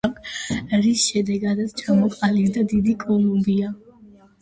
რის შედეგადაც ჩამოყალიბდა დიდი კოლუმბია.